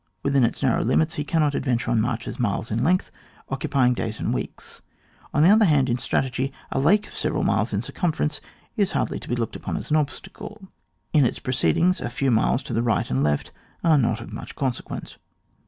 Within its narrow limits he cannot adven ture on marches miles in length, occupy ing days and weeks. On the other hand, in strategy, a lake of several miles in circumference is hardly to be looked upon as an obstacle ; in its proceedings, a few miles to the right or left are not of much consequence.